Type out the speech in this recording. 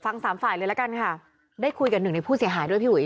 สามฝ่ายเลยละกันค่ะได้คุยกับหนึ่งในผู้เสียหายด้วยพี่อุ๋